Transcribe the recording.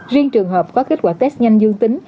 riêng trường hợp có kết quả test nhanh dương tính